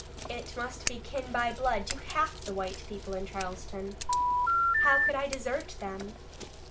I must be kin by blood to half the white people in Charleston. How could I desert them?"